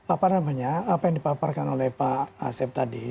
apa namanya apa yang dipaparkan oleh pak asep tadi